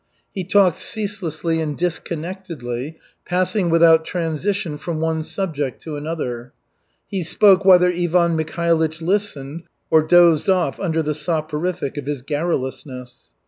He talked ceaselessly and disconnectedly, passing without transition from one subject to another. He spoke whether Ivan Mikhailych listened or dozed off under the soporific of his garrulousness.